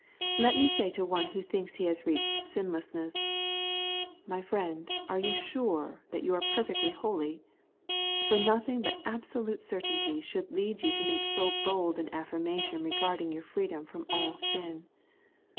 Let me say to one who thinks he has reached sinlessness, ' My friend, are you sure that you are perfectly holy ? For nothing but absolute certainty should lead you to make so bold an affirmation regarding your freedom from all sin.